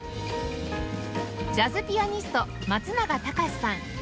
ジャズピアニスト松永貴志さん